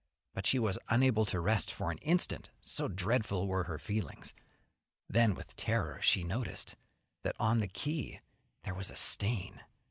But she was unable to rest for an instant, so dreadful were her feelings; then with terror she noticed that on the key there was a stain.